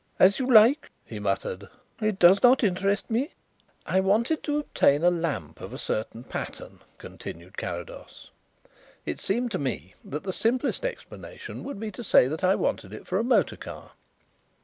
"As you like," he muttered. "It does not interest me." "I wanted to obtain a lamp of a certain pattern," continued Carrados. "It seemed to me that the simplest explanation would be to say that I wanted it for a motor car.